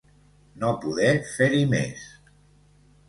No poder fer-hi més.